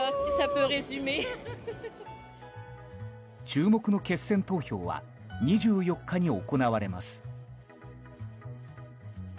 注目の決選投票は２４日に行われます。